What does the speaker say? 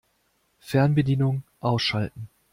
Fernbedienung ausschalten.